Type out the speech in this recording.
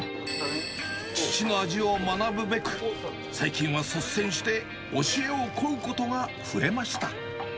父の味を学ぶべく、最近は率先して教えを乞うことが増えました。